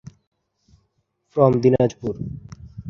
এর মধ্যে রয়েছে জ্বর, কাশি, শ্বাসকষ্ট।